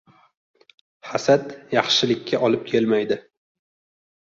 • Hasad yaxshilikka olib kelmaydi.